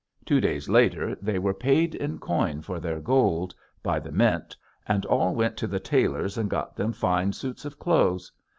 Two days later they were paid in coin for their gold by the mint and all went to the tailors and got them fine suits of clothes....